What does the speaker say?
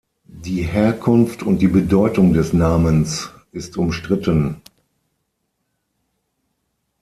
Die Herkunft und die Bedeutung des Namens ist umstritten.